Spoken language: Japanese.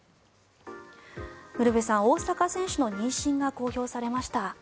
ウルヴェさん、大坂選手の妊娠が公表されました。